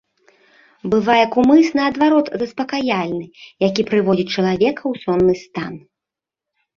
Бывае кумыс, наадварот, заспакаяльны, які прыводзіць чалавека ў сонны стан.